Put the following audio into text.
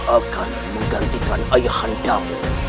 akan menggantikan ayah anda mu